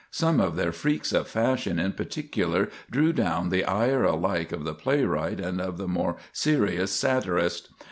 Some of their freaks of fashion in particular drew down the ire alike of the playwright and of the more serious satirist.